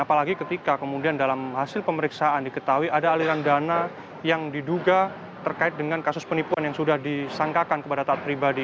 apalagi ketika kemudian dalam hasil pemeriksaan diketahui ada aliran dana yang diduga terkait dengan kasus penipuan yang sudah disangkakan kepada taat pribadi